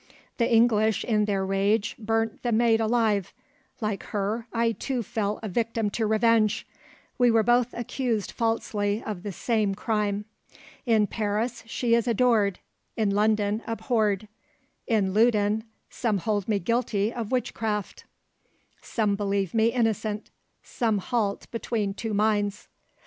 The English in their rage burnt the Maid alive; Like her, I too fell a victim to revenge; We were both accused falsely of the same crime; In Paris she is adored, in London abhorred; In Loudun some hold me guilty of witchcraft, Some believe me innocent; some halt between two minds.